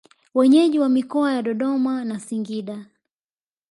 Wenyeji wa mikoa ya Dodoma na Singida